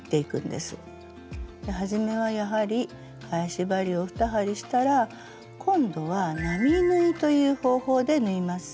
ではじめはやはり返し針を２針したら今度は並縫いという方法で縫います。